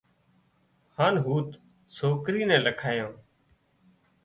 هانَ هوٿ سوڪرِي نين لکايان